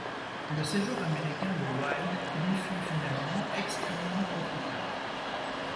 Le séjour américain de Wilde lui fut finalement extrêmement profitable.